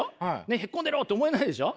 ねっへっこんでろって思えないでしょ。